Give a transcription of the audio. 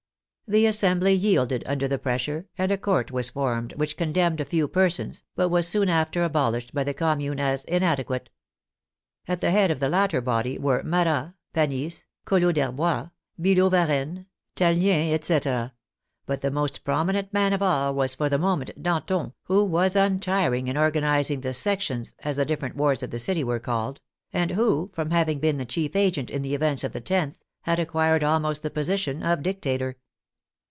The Assembly yielded under the pressure, and a Court was formed which condemned a few persons, but was soon after abolished by the Commune as inadequate. At the head of the latter body were Marat, Panis, Collot d'Herbois, Billaud Varennes, Tallien, etc., but the most prominent man of all was for the moment Danton, who was untiring in organizing the '* sections " (as the dif ferent wards of the city were called), and who, from hav ing been the chief agent in the events of the loth, had acquired almost the position of dictator.